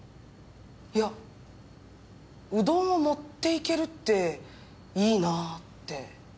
いやうどんを持っていけるっていいなって。